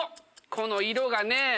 この色がね。